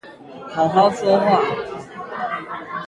好好說話